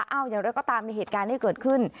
เอาอย่างไรก็ตามในเหตุการณ์ที่เกิดขึ้น